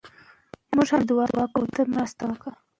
د صفوي دورې پای د یوې نوې هیلې پیل و.